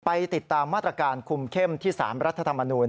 ติดตามมาตรการคุมเข้มที่๓รัฐธรรมนูล